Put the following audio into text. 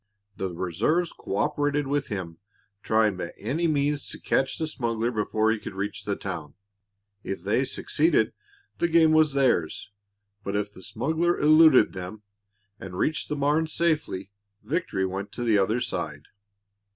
The reserves coöperated with him, trying by any means to catch the smuggler before he could reach the town. If they succeeded, the game was theirs; but if the smuggler eluded them and reached the barn safely, victory went to the other side.